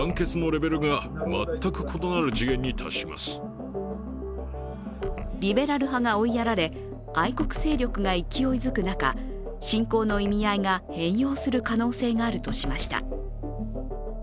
更にリベラル派が追いやられ愛国勢力が勢いづく中、侵攻の意味合いが変容する可能性があるとしました。